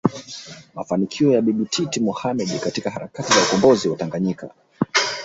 mafanikio ya Bibi Titi Mohamed katika harakati za ukombozi wa Tanganyika